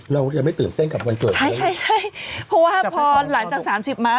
เราจะไม่ตื่นเต้นกับวันเกิดใช่ใช่เพราะว่าพอหลังจากสามสิบม้า